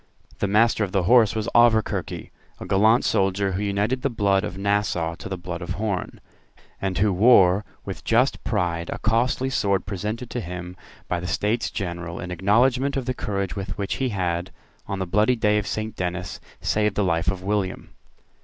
The Master of the Horse was Auverquerque, a gallant soldier, who united the blood of Nassau to the blood of Horn, and who wore with just pride a costly sword presented to him by the States General in acknowledgment of the courage with which he had, on the bloody day of Saint Dennis, saved the life of William.